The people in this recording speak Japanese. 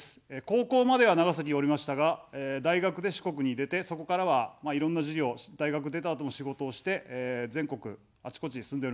高校までは長崎におりましたが、大学で四国に出て、そこからは、いろんな事業、大学出たあとも仕事をして全国あちこちに住んでおります。